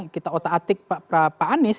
kita otak atik pak anies